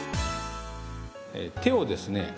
手をですね